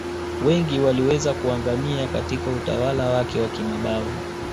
Wengi waliweza kuangamia Katika utawala wake wa kimabavu